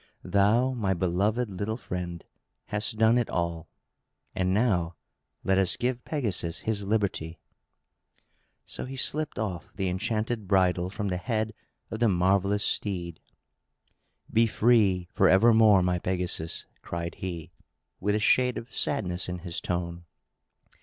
Thou, my beloved little friend, hast done it all. And now let us give Pegasus his liberty." So he slipped off the enchanted bridle from the head of the marvellous steed. "Be free, forevermore, my Pegasus!" cried he, with a shade of sadness in his tone.